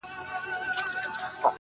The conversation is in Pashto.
وارخطا یې ښي او کیڼ لور ته کتله٫